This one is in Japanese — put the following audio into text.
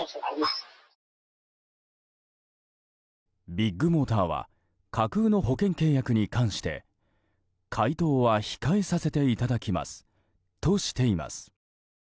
ビッグモーターは架空の保険契約に関して回答は控えさせていただきますとしています。